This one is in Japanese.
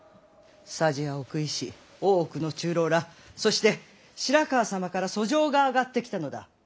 匙や奥医師大奥の中臈らそして白河様から訴状が上がってきたのだ！